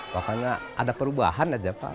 makanya ada perubahan aja pak